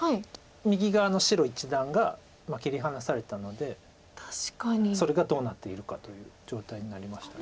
右側の白一団が切り離されたのでそれがどうなっているかという状態になりました。